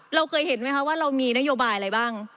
เราเคยเห็นไหมคะว่าเรามีนโยบายอะไรบ้าง